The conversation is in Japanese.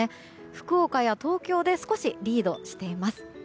福岡や東京で少しリードしています。